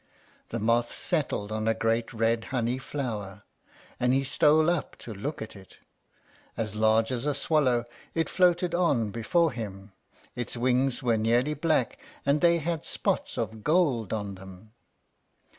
The moth settled on a great red honey flower, and he stole up to look at it. As large as a swallow, it floated on before him. Its wings were nearly black, and they had spots of gold on them.